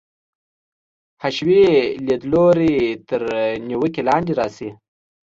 حشوي لیدلوری تر نیوکې لاندې راشي.